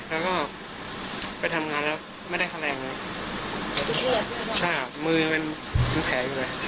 แล้วก็ไปทำงานแล้วไม่ได้แคลงเลยใช่มือมันแข็งอยู่เลย